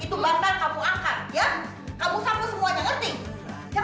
itu bakal kamu angkat ya